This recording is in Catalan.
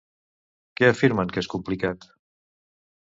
Què afirmen que és complicat?